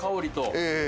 ええ。